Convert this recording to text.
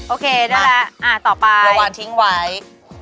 โอเคได้แล้ว